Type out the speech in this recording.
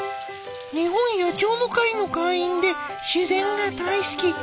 日本野鳥の会の会員で自然が大好き。